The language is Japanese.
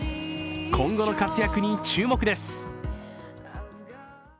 今後の活躍に注目です。